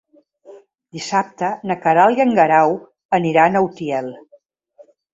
Dissabte na Queralt i en Guerau aniran a Utiel.